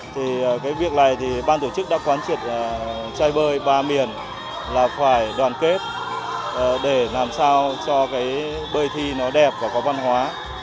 thì cái việc này thì ban tổ chức đã quán triệt chơi bơi ba miền là phải đoàn kết để làm sao cho cái bơi thi nó đẹp và có văn hóa